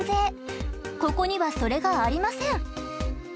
ここにはそれがありません。